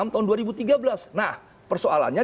tahun dua ribu tiga belas nah persoalannya